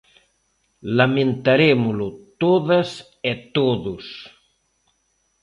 ¡Lamentarémolo todas e todos!